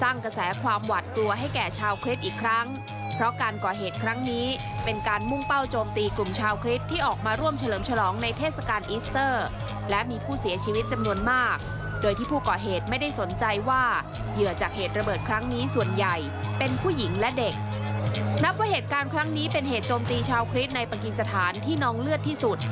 นับว่าเหตุการณ์ครั้งนี้เป็นเหตุโจมตีชาวคริสต์ในปกติสถานที่นองเลือดที่สุด